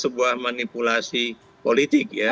sebuah manipulasi politik ya